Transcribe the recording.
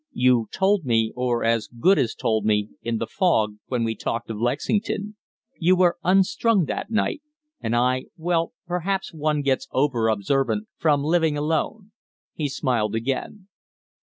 You told me, or as good as told me, in the fog when we talked of Lexington. You were unstrung that night, and I Well, perhaps one gets over observant from living alone." He smiled again.